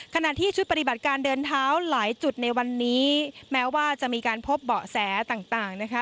ขณะที่ชุดปฏิบัติการเดินเท้าหลายจุดในวันนี้แม้ว่าจะมีการพบเบาะแสต่างนะคะ